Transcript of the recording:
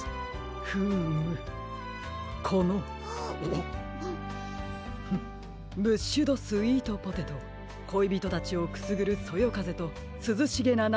フームこのフッブッシュドスイートポテトこいびとたちをくすぐるそよかぜとすずしげなな